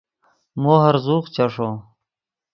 مو ہرزوغ چیݰو